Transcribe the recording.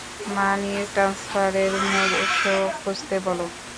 মানি ট্রান্সফারের মূল উৎস খুঁজতে বলো।